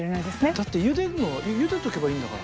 だってゆでとけばいいんだから。